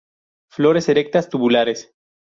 Flores erectas, tubulares.